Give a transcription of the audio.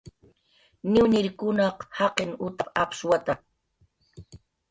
"Niwniekunaq jaqin utap"" apshuwata"